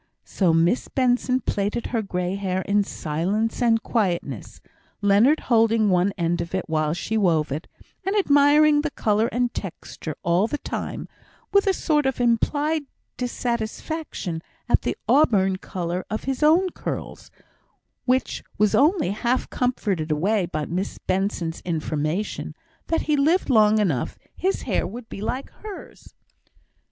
So Miss Benson plaited her grey hair in silence and quietness, Leonard holding one end of it while she wove it, and admiring the colour and texture all the time, with a sort of implied dissatisfaction at the auburn colour of his own curls, which was only half comforted away by Miss Benson's information, that, if he lived long enough, his hair would be like hers.